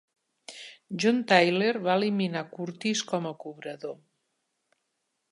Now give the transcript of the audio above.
John Tyler va eliminar Curtis com a cobrador.